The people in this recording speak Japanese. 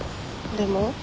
でも？